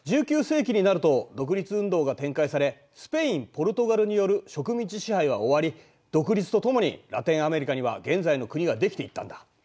１９世紀になると独立運動が展開されスペインポルトガルによる植民地支配は終わり独立とともにラテンアメリカには現在の国が出来ていったんだ。